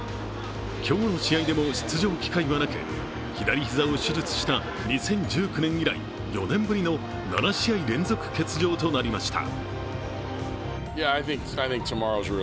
今日の試合でも出場機会はなく、左膝を手術した２０１９年以来、４年ぶりの７試合連続欠場となりました。